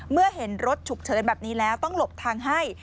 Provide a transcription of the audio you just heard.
เมื่อเห็นรถฉุกเฉินแบบนี้แล้วต้องหลบทางให้